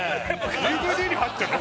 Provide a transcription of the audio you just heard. ＤＶＤに入ってんの？